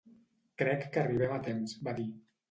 "Crec que arribem temps", va dir.